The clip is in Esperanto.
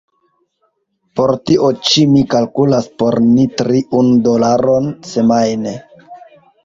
Por tio ĉi mi kalkulas por ni tri unu dolaron semajne.